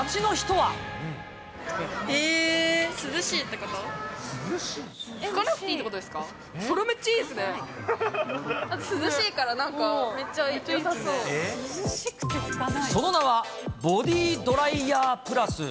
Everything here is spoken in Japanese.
だって、涼しいからなんか、その名は、ボディドライヤープラス。